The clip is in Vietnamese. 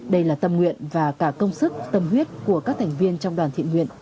đây là tâm nguyện và cả công sức tâm huyết của các thành viên trong đoàn thiện nguyện